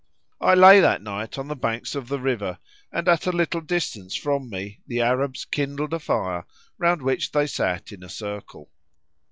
I lay that night on the banks of the river, and at a little distance from me the Arabs kindled a fire, round which they sat in a circle.